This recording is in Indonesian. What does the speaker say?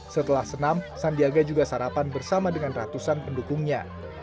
setelah senam sandiaga juga sarapan bersama dengan ratusan pendukungnya